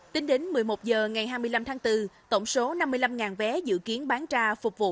tính đến một mươi một h ngày hai mươi năm tháng bốn tổng số năm mươi năm vé dự kiến bán ra phục vụ